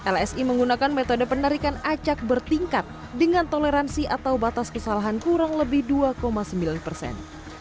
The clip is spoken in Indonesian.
lsi menggunakan metode penarikan acak bertingkat dengan toleransi atau batas kesalahan kurang lebih dua sembilan persen